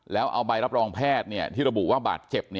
แล้วเอาใบรับรองแพทย์ที่ระบุว่าบาดเจ็บ